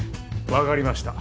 わかりました。